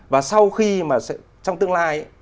và sau khi mà trong tương lai